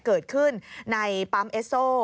เกิดขึ้นในปั๊มเอสโซ